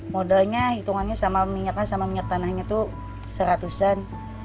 modalnya hitungannya sama minyaknya sama minyak tanahnya itu seratusan